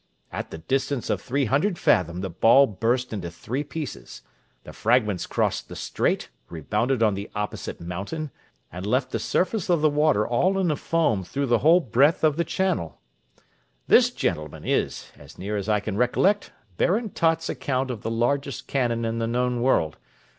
At the distance of three hundred fathom the ball burst into three pieces; the fragments crossed the strait, rebounded on the opposite mountain, and left the surface of the water all in a foam through the whole breadth of the channel." This, gentlemen, is, as near as I can recollect, Baron Tott's account of the largest cannon in the known world.